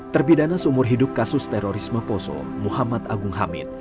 terpidana seumur hidup kasus terorisme poso muhammad agung hamid